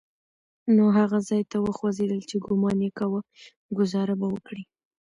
نو هغه ځای ته وخوځېدل چې ګومان يې کاوه ګوزاره به وکړي.